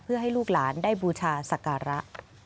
เพื่อให้ลูกหลานได้บูชาศักระ